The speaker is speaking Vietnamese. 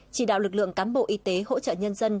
chỉ đạo lực lượng cám bộ y tế hỗ trợ nhân dân